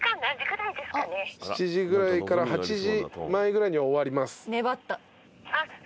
７時ぐらいから８時前ぐらいには終わります。